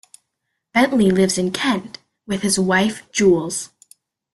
Bentley lives in Kent with his wife Jools.